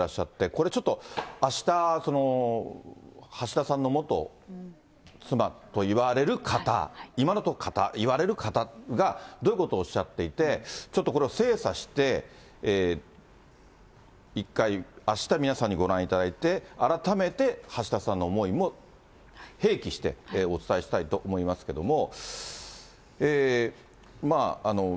これ、ちょっとあした、橋田さんの元妻といわれる方、今のところ、いわれる方がどういうことをおっしゃっていて、ちょっとこれを精査して一回、ご覧いただいて改めて橋田さんのも併記してお伝えしたいと思いますけれども。